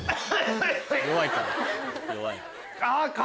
弱いか。